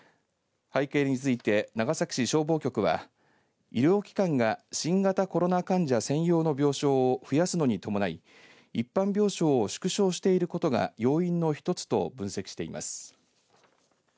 背景について長崎市消防局は医療機関が新型コロナ患者専用の病床を増やすのに伴い一般病床を縮小していることが要因の１つと分析しています。